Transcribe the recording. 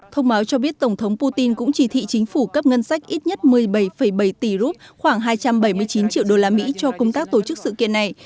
thông báo cho biết tổng thống putin cũng chỉ thị chính phủ cấp ngân sách ít nhất một mươi bảy bảy tỷ rup khoảng hai trăm bảy mươi chín triệu đô la mỹ cho công tác tổ chức sự kiện này